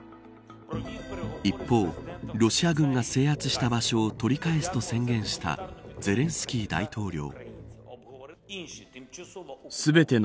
一方、ロシア軍が制圧した場所を取り返すと宣言したゼレンスキー大統領。